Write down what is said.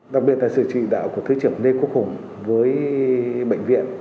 đặc biệt là sự trị đạo của thứ trưởng lê quốc hùng với bệnh viện